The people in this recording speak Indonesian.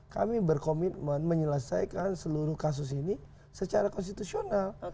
kami berkomitmen menyelesaikan seluruh kasus ini secara konstitusional